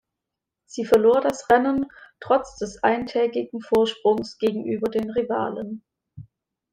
Sie verlor das Rennen trotz des eintägigen Vorsprungs gegenüber den Rivalen.